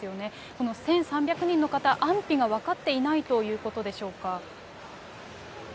この１３００人の方、安否が分かっていないということでしょうか。